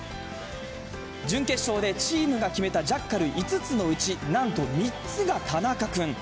準決勝でチームが決めたジャッカル５つのうち、何と３つが田中君。